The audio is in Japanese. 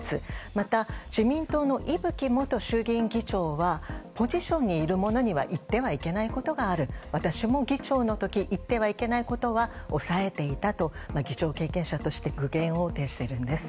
また、自民党の伊吹元衆議院議長はポジションにいる者には言ってはいけないことがある。私も議長の時言ってはいけないことは抑えていたと議長経験者として苦言を呈しているんです。